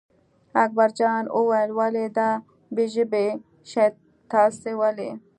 اکبرجان وویل ولې دا بې ژبې شی تاسې ولئ.